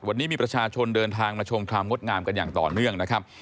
วันนี้มีประชาชนเดินทางมาชมความงดงามกันอย่างต่อเนื่องนะครับ